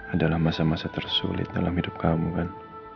adalah masa masa tersulit dalam hidup kamu kan